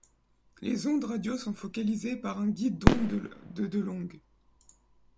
Les ondes radio sont focalisées par un guide d'ondes de de long.